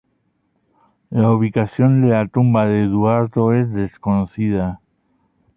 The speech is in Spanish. La ubicación de la tumba de Eduardo es desconocido.